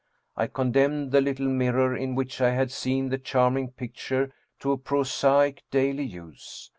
I condemned the little mirror in which I had seen the charming picture to a prosaic daily use.